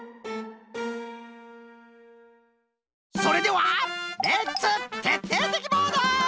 それではレッツてっていてきボード！